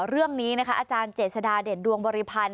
เรื่องนี้นะคะอาจารย์เจษฎาเด่นดวงบริพันธ์